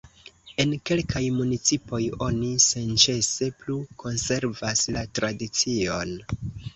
En kelkaj municipoj oni senĉese plu konservas la tradicion.